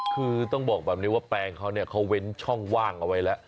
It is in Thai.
คือต้องบอกแบบนี้ว่าแปลงเขาเนี่ยเขาเว้นช่องว่างเอาไว้แล้ว